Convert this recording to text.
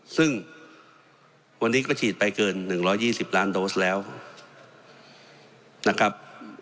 ซึ่งวันนี้ก็ฉีดไปเกิน๑๒๐ล้านโดสแล้วนะครับ